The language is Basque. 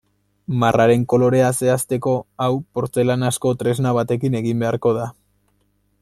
Marraren kolorea zehazteko hau portzelanazko tresna batekin egin beharko da.